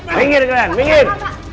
minggir kalian minggir